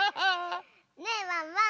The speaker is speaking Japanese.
ねえワンワン！